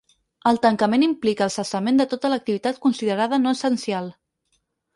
El tancament implica el cessament de tota l’activitat considerada no essencial.